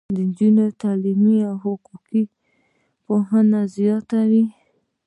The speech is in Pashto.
د نجونو تعلیم د حقونو پوهاوی زیاتوي.